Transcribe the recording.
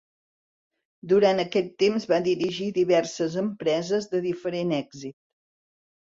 Durant aquest temps va dirigir diverses empreses de diferent èxit.